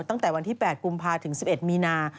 ตั้งแต่วันที่๘กุมภาถึง๑๑มีนา